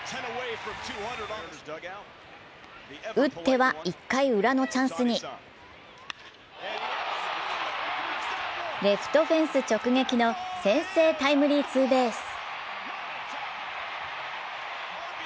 打っては１回ウラのチャンスにレフトフェンス直撃の先制タイムリーツーベース。